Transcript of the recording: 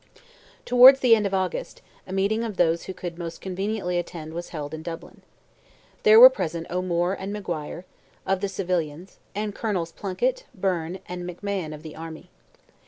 Towards the end of August, a meeting of those who could most conveniently attend was held in Dublin. There were present O'Moore and Maguire, of the civilians, and Colonels Plunkett, Byrne, and McMahon of the army.